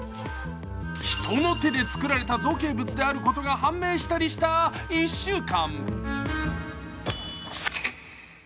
人の手で作られた造形物だったことが判明したりした１週間。